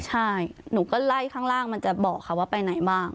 ใช่หนูก็ไล่ข้างล่างมันจะบอกค่ะว่าไปไหนบ้าง